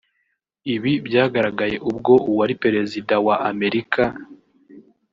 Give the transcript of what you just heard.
Ibi byagaragaye ubwo uwari perezida wa Amerika